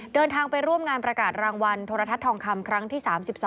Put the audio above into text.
เดินทางไปร่วมงานประกาศรางวัลโทรทัศน์ทองคำครั้งที่๓๒